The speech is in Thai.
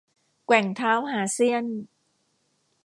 แกว่งเท้าหาเสี้ยน